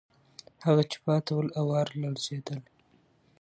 هغه چې پاتې ول، آوار لړزېدل.